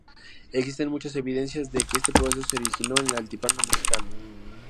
Existen muchas evidencias de que este proceso se originó en el altiplano mexicano.